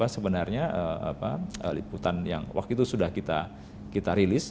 sebenarnya liputan yang waktu itu sudah kita rilis